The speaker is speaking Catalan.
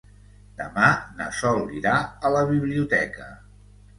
Demà na Sol irà a la biblioteca.